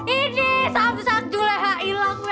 ini samsak juleha ilang weh